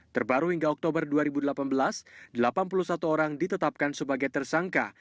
terbaru hingga oktober dua ribu delapan belas delapan puluh satu orang ditetapkan sebagai tersangka